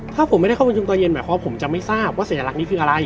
ถ้าผมไม่ได้เข้าประชุมตอนเย็นหมายความว่าผมจะไม่ทราบว่าสัญลักษณ์นี้คืออะไร